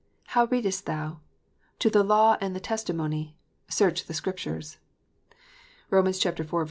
"How readest thou?" "To the law and the testimony!" "Search the Scriptures." (Rom. iv.